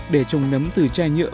để trồng nấm từ chai nhựa